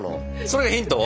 それヒント？